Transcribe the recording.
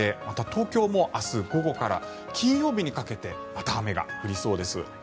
東京も明日午後から金曜日にかけてまた雨が降りそうです。